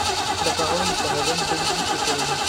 La parole est à Madame Bénédicte Taurine.